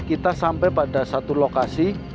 kita sampai pada satu lokasi